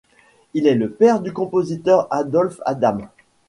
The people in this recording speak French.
Il est le père du compositeur Adolphe Adam.